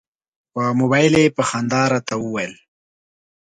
په مبایل یې په خندا راته وویل.